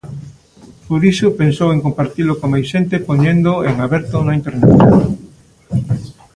Por iso, pensou en compartilo con máis xente poñéndoo en aberto na Internet.